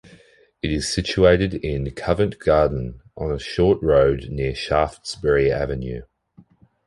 It is situated in Covent Garden on a short road near Shaftesbury Avenue.